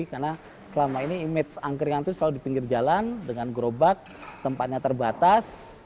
karena selama ini image angkringan itu selalu di pinggir jalan dengan gerobak tempatnya terbatas